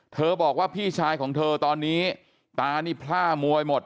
บอกว่าพี่ชายของเธอตอนนี้ตานี่พล่ามวยหมด